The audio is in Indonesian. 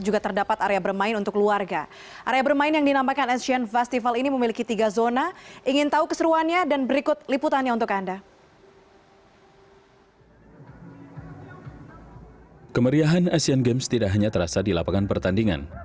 kemeriahan asian games tidak hanya terasa di lapangan pertandingan